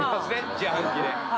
自販機で。